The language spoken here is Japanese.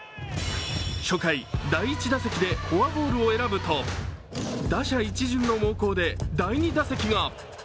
初回、第一打席で、フォアボールを選ぶと、打者一巡の猛攻で第２打席が。